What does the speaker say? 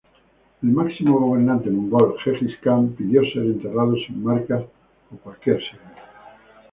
El máximo gobernante mongol Genghis Khan pidió ser enterrado sin marcas o cualquier signo.